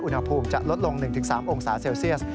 อุณหภูมิจะลดลง๑๓องศาเซลเซียส